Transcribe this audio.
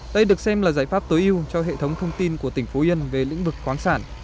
đây được xem là giải pháp tối ưu cho hệ thống thông tin của tỉnh phú yên về lĩnh vực khoáng sản